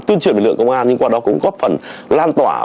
tuyên truyền lực lượng công an nhưng qua đó cũng góp phần lan tỏa